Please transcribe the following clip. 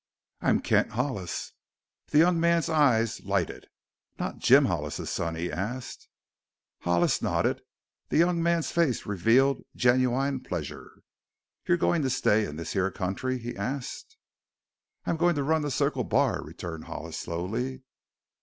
"I am Kent Hollis." The young man's eyes lighted. "Not Jim Hollis's son?" he asked. Hollis nodded. The young man's face revealed genuine pleasure. "You going to stay in this here country?" he asked. "I am going to run the Circle Bar," returned Hollis slowly.